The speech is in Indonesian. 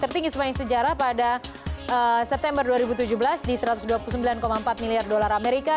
tertinggi sepanjang sejarah pada september dua ribu tujuh belas di satu ratus dua puluh sembilan empat miliar dolar amerika